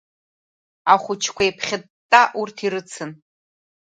Ахәыҷқәа еиԥхьытта урҭ ирыцын.